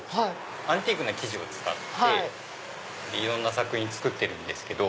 アンティークな生地を使っていろんな作品作ってるんです。